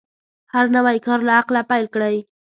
هر نوی کار له عقله پیل کړئ.